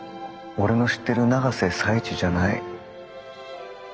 俺の知ってる永瀬財地じゃない。